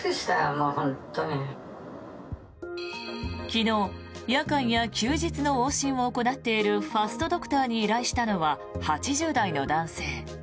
昨日、夜間や休日の往診を行っているファストドクターに依頼したのは８０代の男性。